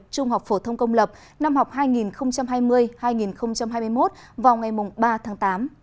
trung học phổ thông công lập năm học hai nghìn hai mươi hai nghìn hai mươi một vào ngày ba tháng tám